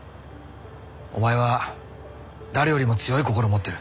お前は誰よりも強い心を持ってる。